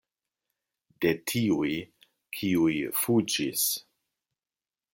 De tiuj, kiuj fuĝis.